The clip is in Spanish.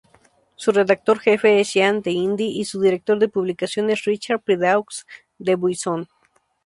Su redactor jefe es Jean d'Indy, y su director de publicación es Richard Prideaux-Debuisson.